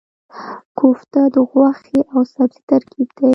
کوفته د غوښې او سبزي ترکیب دی.